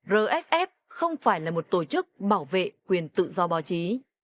rsf không phải là một tổ chức bảo vệ quyền tự do báo chí